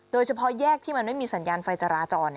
โดยเฉพาะแยกที่มันไม่มีสัญญาณไฟจราจร